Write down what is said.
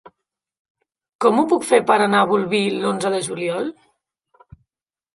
Com ho puc fer per anar a Bolvir l'onze de juliol?